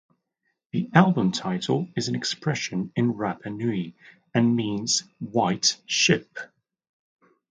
The album title is an expression in Rapanui and means "white ship".